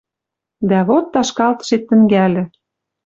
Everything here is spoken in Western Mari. Дӓ вот ташкалтышет тӹнгӓльӹ.